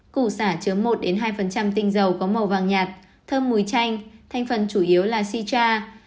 cụ xả chứa một hai tinh dầu có màu vàng nhạt thơm mùi chanh thanh phần chủ yếu là citra sáu mươi năm tám mươi năm